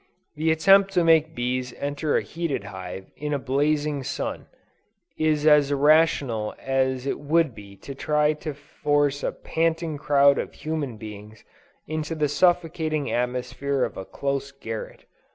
The attempt to make bees enter a heated hive in a blazing sun, is as irrational as it would be to try to force a panting crowd of human beings into the suffocating atmosphere of a close garret.